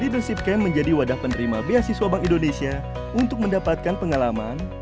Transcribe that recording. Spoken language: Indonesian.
leadership camp menjadi wadah penerima beasiswa bank indonesia untuk mendapatkan pengalaman